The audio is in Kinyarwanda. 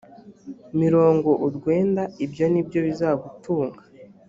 mirongo urwenda ibyo ni byo bizagutunga